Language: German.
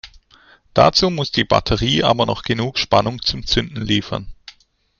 Dazu muss die Batterie aber noch genug Spannung zum Zünden liefern.